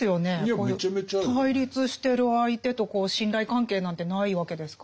対立してる相手と信頼関係なんてないわけですから。